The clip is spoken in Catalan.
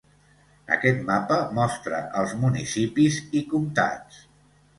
Aquest mapa mostra els municipis i comtats.